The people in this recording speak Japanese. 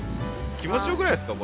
気持ちよくないですか？